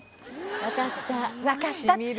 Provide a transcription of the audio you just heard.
分かった？